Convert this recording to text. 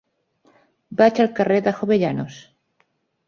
Vaig al carrer de Jovellanos.